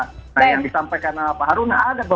nah yang disampaikan pak haruna ada